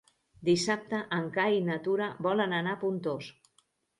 Dissabte en Cai i na Tura volen anar a Pontós.